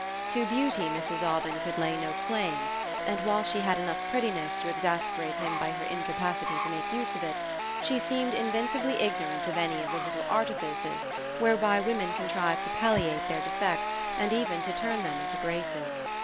To beauty Mrs. Aubyn could lay no claim; and while she had enough prettiness to exasperate him by her incapacity to make use of it, she seemed invincibly ignorant of any of the little artifices whereby women contrive to palliate their defects and even to turn them into graces.